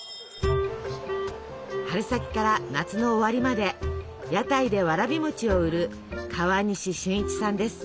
春先から夏の終わりまで屋台でわらび餅を売る川西俊一さんです。